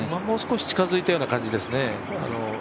もう少し近づいたような感じですね。